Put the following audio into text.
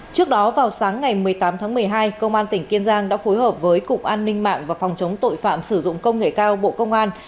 trước đó vào sáng ngày một mươi tám tháng một mươi hai công an tỉnh kiên giang đã phối hợp với cục an ninh mạng và phòng chống tội phạm sử dụng công nghệ cao bộ công an